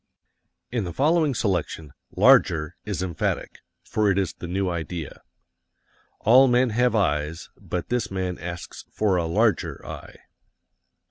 In the following selection, "larger" is emphatic, for it is the new idea. All men have eyes, but this man asks for a LARGER eye.